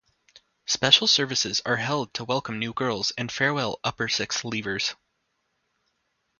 Special services are held to welcome new girls and farewell Upper Sixth leavers.